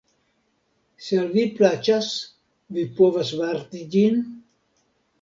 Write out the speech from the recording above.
Se al vi plaĉas, vi povas varti ĝin?